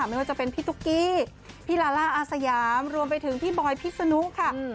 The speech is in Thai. ไม่ว่าจะเป็นพี่ตุ๊กกี้พี่ลาล่าอาสยามรวมไปถึงพี่บอยพิษนุค่ะ